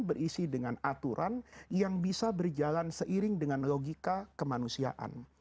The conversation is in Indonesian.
berisi dengan aturan yang bisa berjalan seiring dengan logika kemanusiaan